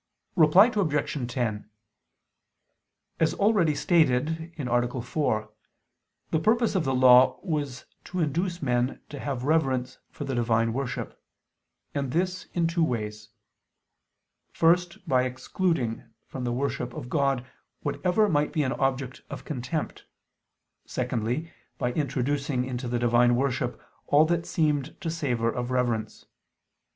Reply Obj. 10: As already stated (A. 4), the purpose of the Law was to induce men to have reverence for the divine worship: and this in two ways; first, by excluding from the worship of God whatever might be an object of contempt; secondly, by introducing into the divine worship all that seemed to savor of reverence.